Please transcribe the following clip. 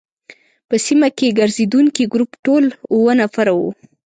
په سیمه کې ګرزېدونکي ګروپ ټول اووه نفره وو.